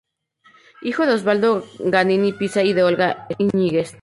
Hijo de Osvaldo Giannini Piza y de Olga Iñiguez.